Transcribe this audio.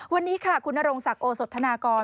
วันนี้ค่ะคุณนรงศักดิ์โอสธนากร